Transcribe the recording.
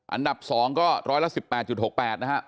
อันดับ๒ก็ร้อยละ๑๘๖๘นะฮะ